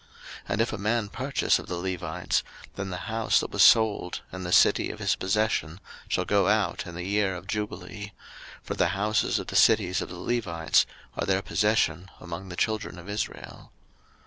03:025:033 And if a man purchase of the Levites, then the house that was sold, and the city of his possession, shall go out in the year of jubile: for the houses of the cities of the Levites are their possession among the children of Israel.